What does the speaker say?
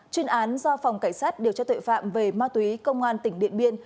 chuyên án do phòng cảnh sát điều tra tuệ phạm về ma túy công an tỉnh điện biên